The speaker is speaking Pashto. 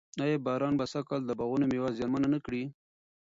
آیا باران به سږ کال د باغونو مېوه زیانمنه نه کړي؟